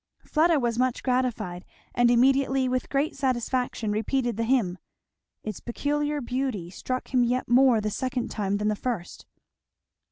Fleda was much gratified, and immediately with great satisfaction repeated the hymn. Its peculiar beauty struck him yet more the second time than the first.